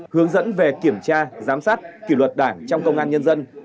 hướng dẫn về kiểm tra giám sát kỷ luật đảng trong công an nhân dân